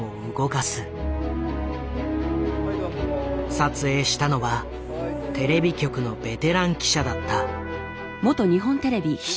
撮影したのはテレビ局のベテラン記者だった。